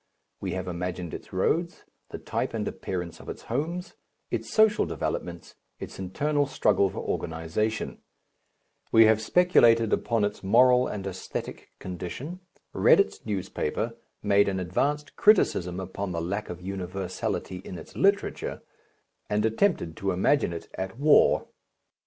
We have imagined its roads, the type and appearance of its homes, its social developments, its internal struggle for organization; we have speculated upon its moral and æsthetic condition, read its newspaper, made an advanced criticism upon the lack of universality in its literature, and attempted to imagine it at war.